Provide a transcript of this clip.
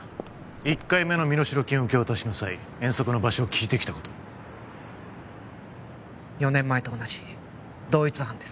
１回目の身代金受け渡しの際遠足の場所を聞いてきたこと４年前と同じ同一犯です